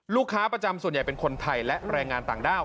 ลูกค้าประจำส่วนใหญ่เป็นคนไทยและแรงงานต่างด้าว